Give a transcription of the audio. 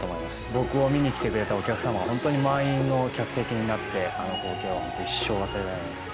僕を見に来てくれたお客様がホントに満員の客席になってあの光景はホント一生忘れられないですね。